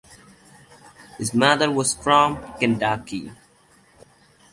His mother was from Kentucky.